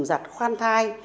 giặt khoan thai